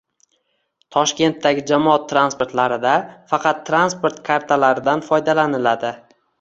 Toshkentdagi jamoat transportlarida faqat transport kartalaridan foydalaniladi